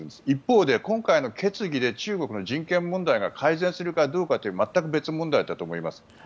一方で、今回の決議で中国の人権問題が改善するかどうかというのは全く別問題だと思います。